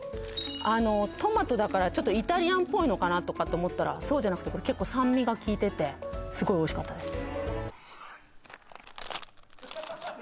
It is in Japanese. あのトマトだからちょっとイタリアンっぽいのかなと思ったらそうじゃなくてこれ結構酸味がきいててすごいおいしかったです